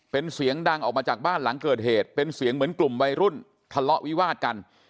เป็นเสียงดังออกมาจากบ้านหลังเกิดเหตุเป็นเสียงเหมือนกลุ่มวัยรุ่นทะเลาะวิวาดกัน